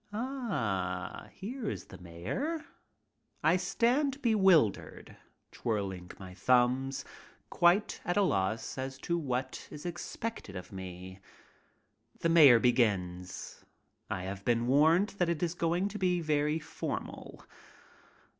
Ah, here is the mayor. I stand bewildered, twirling my thumbs, quite at a loss as to what is expected of me. The mayor begins. I have been warned that it is going to be very formal.